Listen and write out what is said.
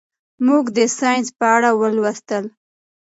موږ د ساینس په اړه ولوستل.